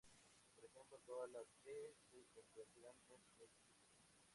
Por ejemplo, todas las "e" se convertirán en "X".